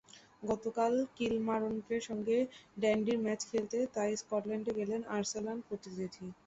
গতকাল কিলমারনকের সঙ্গে ডান্ডির ম্যাচ দেখতে তাই স্কটল্যান্ড গেলেন আর্সেনাল প্রতিনিধি।